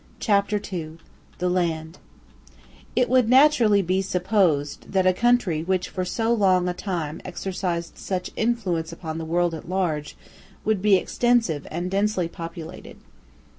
CHAPTER II THE LAND It would naturally be supposed that a country which for so long a time exercised such influence upon the world at large would be extensive and densely populated.